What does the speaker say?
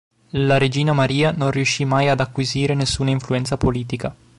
La regina Maria non riuscì mai ad acquisire nessuna influenza politica.